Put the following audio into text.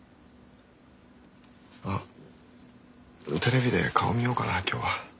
あっテレビで顔見ようかな今日は。